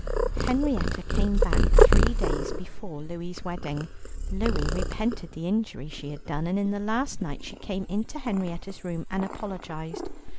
Henrietta came back three days before Louie's wedding. Louie repented the injury she had done, and on the last night she came into Henrietta's room and apologized.